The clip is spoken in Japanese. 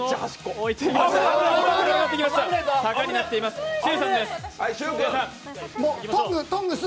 坂になっています。